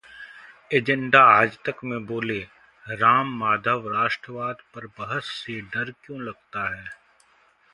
agenda Aaj Tak में बोले राम माधव- राष्ट्रवाद पर बहस से डर क्यों लगता है